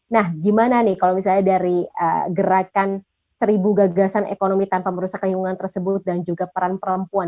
nah gimana nih kalau misalnya dari gerakan seribu gagasan ekonomi tanpa merusak lingkungan tersebut dan juga peran perempuan